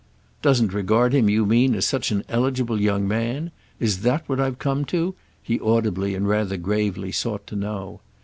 "Doesn't regard him you mean as such an 'eligible' young man? Is that what I've come to?" he audibly and rather gravely sought to know.